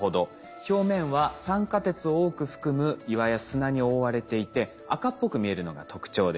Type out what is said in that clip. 表面は酸化鉄を多く含む岩や砂に覆われていて赤っぽく見えるのが特徴です。